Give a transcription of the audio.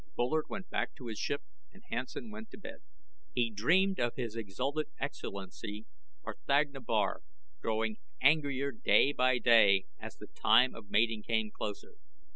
Bullard went back to his ship, and Hansen went to bed. He dreamed of His Exalted Excellency R'thagna Bar, growing angrier day by day as the time of mating came closer.